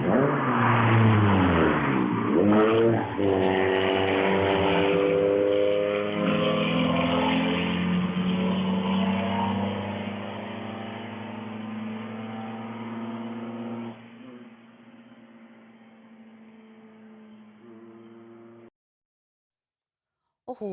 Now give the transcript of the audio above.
โอ้โห